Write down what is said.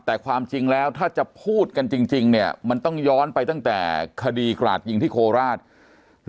แต่ความจริงแล้วถ้าจะพูดกันจริงเนี่ยมันต้องย้อนไปตั้งแต่คดีกราดยิงที่โคราช